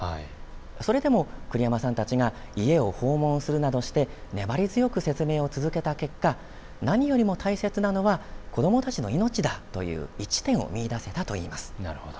それでも栗山さんたちが家を訪問するなどして粘り強く説明を続けた結果、何よりも大切なのは子どもたちの命だという一致点を見いだせたといいます。